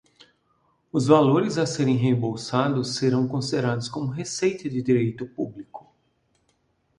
Os valores a serem reembolsados serão considerados como receita de direito público.